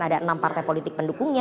ada enam partai politik pendukungnya